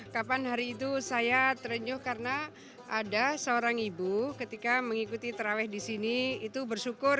kapan hari itu saya terenyuh karena ada seorang ibu ketika mengikuti terawih di sini itu bersyukur